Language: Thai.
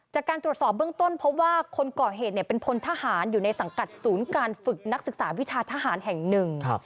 จากการตรวจสอบเบื้องต้นเพราะว่าคนก่อเหตุเนี่ยเป็นพลทหารอยู่ในสังกัดศูนย์การฝึกนักศึกษาวิชาทหารแห่งหนึ่ง